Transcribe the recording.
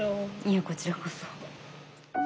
いえこちらこそ。